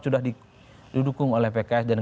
sudah didukung oleh pks dan